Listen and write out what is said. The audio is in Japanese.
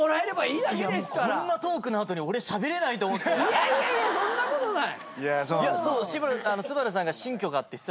いやいやいやそんなことない。